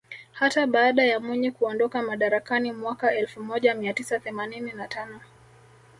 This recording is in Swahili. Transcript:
Hata baada ya Mwinyi kuondoka madarakani mwaka elfu moja mia tisa themanini na tano